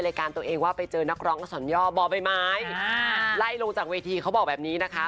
รายการตัวเองว่าไปเจอนักร้องส่วนยอบบไปไม้อ่าไล่ลงจากเวทีเขาบอกแบบนี้นะคะ